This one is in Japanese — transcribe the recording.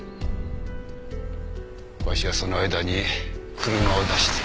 わしはその間に車を出して。